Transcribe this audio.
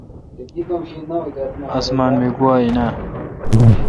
اسمان می آگو این اے۔